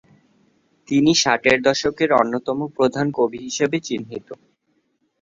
তিনি ষাটের দশকের অন্যতম প্রধান কবি হিসেবে চিহ্নিত।